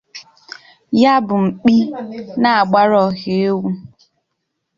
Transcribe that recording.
ya bụ mkpi na-agbara ọha ewu